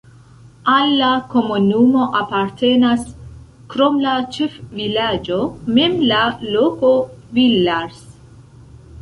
Al la komunumo apartenas krom la ĉefvilaĝo mem la loko Villars.